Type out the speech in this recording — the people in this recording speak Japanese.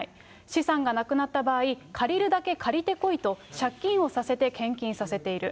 資産がなくなった場合、借りるだけ借りてこいと、借金をさせて献金させている。